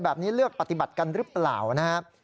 แบบนี้เลือกปฏิบัติกันรึเปล่านะฮะ